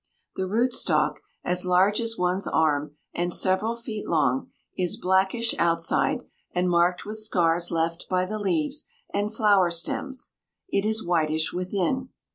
The root stalk, as large as one's arm and several feet long, is blackish outside and marked with scars left by the leaves and flower stems; it is whitish within.